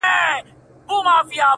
• ژړي پاڼي به دي یو په یو توییږي ,